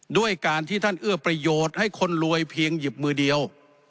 ด้วยการที่ท่านเอื้อประโยชน์ให้คนรวยเพียงหยิบมือเดียว